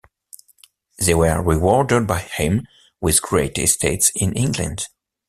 They were rewarded by him with great estates in England.